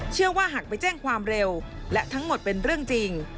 เชื่อว่าหากไปแจ้งความเร็วและทั้งหมดเป็นเรื่องจริง